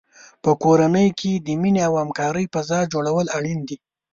په کورنۍ کې د مینې او همکارۍ فضا جوړول اړین دي.